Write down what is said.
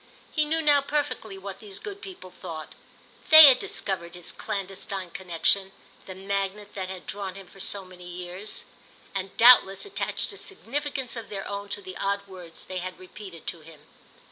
He knew now perfectly what these good people thought; they had discovered his clandestine connexion, the magnet that had drawn him for so many years, and doubtless attached a significance of their own to the odd words they had repeated to him.